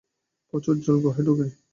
প্রচুর জল গুহায় ঢোকে।